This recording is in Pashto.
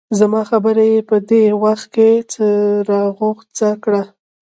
زما خبره یې په دې وخت کې راغوڅه کړه.